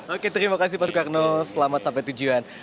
oke terima kasih pak soekarno selamat sampai tujuan